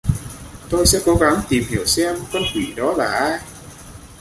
Tôi sẽ cố gắng tìm hiểu xem con quỷ đó là ai